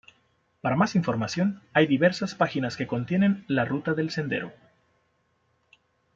Para más información hay diversas páginas que contienen la ruta del sendero.